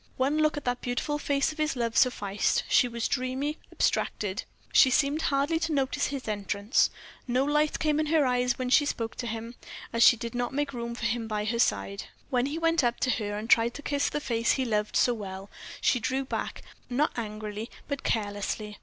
One look at the beautiful face of his love sufficed; she was dreamy, abstracted; she seemed hardly to notice his entrance. No light came in her eyes as she spoke to him; she did not make room for him by her side. When he went up to her and tried to kiss the face he loved so well, she drew back, not angrily, but carelessly.